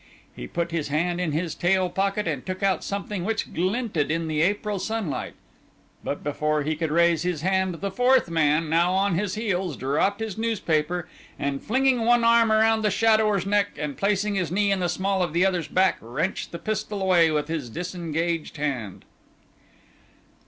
He put his hand in his tail pocket and took out something which glinted in the April sunlight, but before he could raise his hand the fourth man, now on his heels, dropped his newspaper, and flinging one arm around the shadower's neck, and placing his knee in the small of the other's back, wrenched the pistol away with his disengaged hand.